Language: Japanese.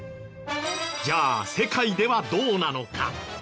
じゃあ世界ではどうなのか？